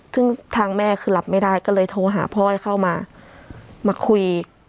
ซึ่งทางแม่คือรับไม่ได้ก็เลยโทรหาพ่อให้เข้ามามาคุย